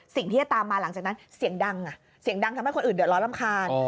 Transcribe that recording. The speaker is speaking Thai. สิ่งที่จะตามมาหลังจากนั้นเสียงดังทำให้คนอื่นเดี๋ยวร้อนลำคาญ